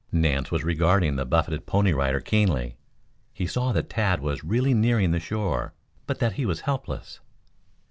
Nance was regarding the buffeted Pony Rider keenly. He saw that Tad was really nearing the shore, but that he was helpless.